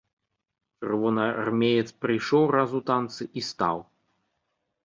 Чырвонаармеец прайшоў раз у танцы і стаў.